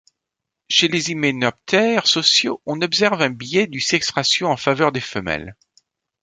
Chez les hyménoptères sociaux, on observe un biais du sexe-ratio en faveur des femelles.